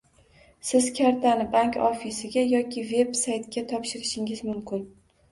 Siz kartani bank ofisiga yoki veb -saytga topshirishingiz mumkin